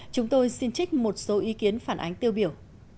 chúng tôi xin trích một số ý kiến phản ánh tiêu biểu